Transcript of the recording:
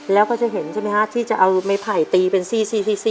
แล้วก็จะเห็นใช่ไหมฮะที่จะเอาไม้ไผ่ตีเป็นซี่